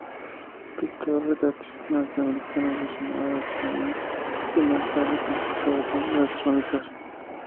Pintor retratista norteamericano aficionado a la astronomía, y más tarde constructor de lentes astronómicas.